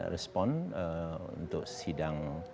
respon untuk sidang